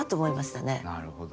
なるほど。